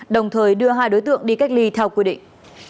đồng thời đưa hai đối tượng đi cách ly theo quy định